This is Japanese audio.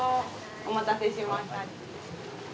お待たせしました。